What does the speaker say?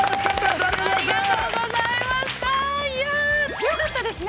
強かったですね。